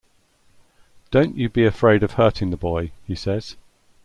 "Don't you be afraid of hurting the boy," he says.